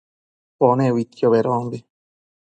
Pone uidquio bedombi